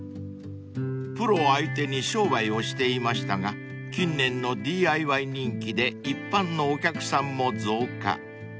［プロ相手に商売をしていましたが近年のＤＩＹ人気で一般のお客さんも増加］